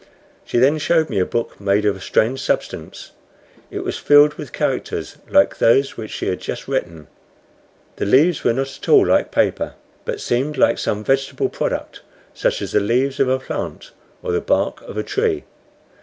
She then showed me a book made of a strange substance. It was filled with characters like those which she had just written. The leaves were not at all like paper, but seemed like some vegetable product, such as the leaves of a plant or the bark of a tree.